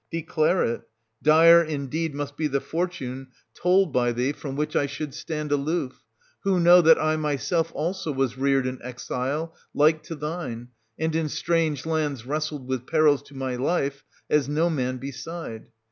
Declare it ; dire indeed must be the fortune told by 560 s. 6 82 SOPHOCLES, [561—588 thee, from which I should stand aloof; who know that I myself also was reared in exile, like to thine, and in strange lands wrestled with perils to my life, as no man beside.